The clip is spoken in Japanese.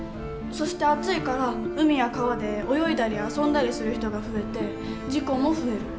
そして暑いから海や川で泳いだり遊んだりする人が増えて事故も増える。